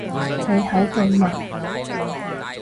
你喺度問？